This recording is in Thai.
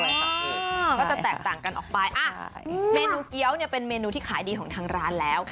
ใช่ค่ะก็จะแตกต่างกันออกไปเมนูเกี้ยวเนี่ยเป็นเมนูที่ขายดีของทางร้านแล้ว